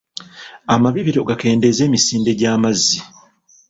Amabibiro gakendeeza emisinde gy'amazzi.